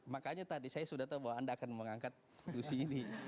makanya tadi saya sudah tahu bahwa anda akan mengangkat fungsi ini